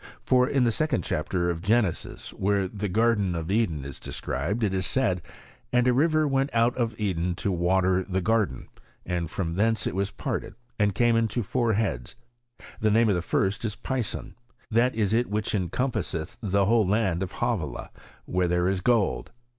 For in the second chapter of Genesis, where the garden of Eden is described, it is said, *^ And a river went out of Eden to water the garden ; and from thence it was parted, and came into four heads : the name of the first is Pison, that is it which encompasseth the whole land of Havilah, where there is gold.